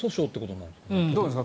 どうですか？